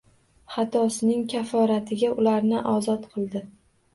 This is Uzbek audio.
Xatosining kafforatiga ularni ozod qildi